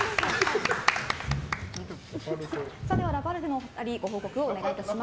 ではラパルフェのお二人ご報告をお願いいたします。